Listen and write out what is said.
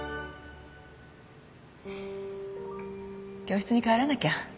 教室に帰らなきゃ。